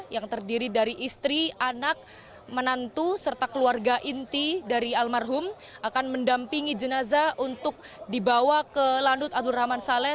yang terdiri dari istri anak menantu serta keluarga inti dari almarhum akan mendampingi jenazah untuk dibawa ke landut abdurrahman saleh